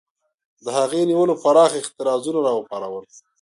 د هغې نیولو پراخ اعتراضونه را وپارول.